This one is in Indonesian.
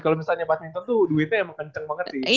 kalau misalnya badminton tuh duitnya emang kenceng banget sih